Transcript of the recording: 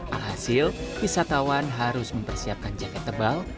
alhasil wisatawan harus mempersiapkan jaket tebal